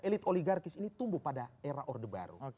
elit oligarkis ini tumbuh pada era orde baru